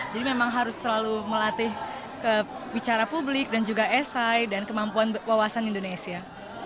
jadi memang harus selalu melatih ke bicara publik dan juga esai dan kemampuan wawasan indonesia